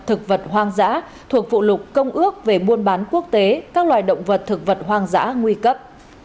thực vật hoang dã thuộc vụ lục công ước về buôn bán quốc tế các loài động vật thực vật hoang dã nguy cấp